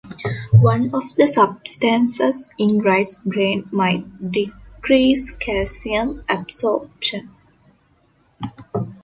One of the substances in rice bran might decrease calcium absorption.